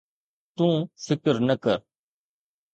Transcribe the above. تون فڪر نه ڪر